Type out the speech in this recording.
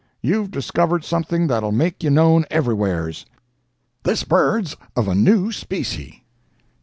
You've discovered something that'll make ye known everywheres. This bird's of a new specie.'